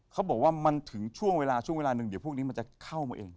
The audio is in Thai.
เขาบอกว่ามันถึงช่วงเวลาช่วงเวลาหนึ่งเดี๋ยวพวกนี้มันจะเข้ามาเอง